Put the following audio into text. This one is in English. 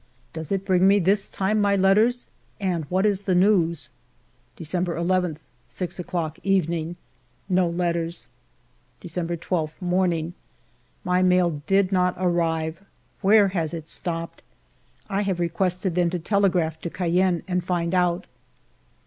Does it bring me this time my letters, and what is the news ? December 11, 6 clocks evening. No letters ! December 12, morning. My mail did not arrive. Where has it stopped } I have requested them to telegraph to Cayenne and find out.